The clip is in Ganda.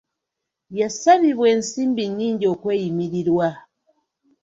Yasabibwa ensimbi nnyingi okweyimirirwa.